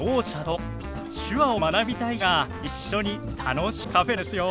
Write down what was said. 手話を学びたい人が一緒に楽しく過ごせるカフェなんですよ。